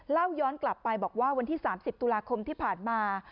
เล่าย้อนกลับไปบอกว่าวันที่๓๐ตุลาคมที่ผ่านมา